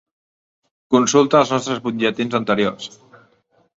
Consulta els nostres butlletins anteriors.